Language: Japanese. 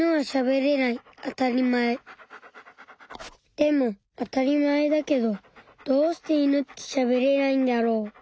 でもあたりまえだけどどうしてイヌってしゃべれないんだろう？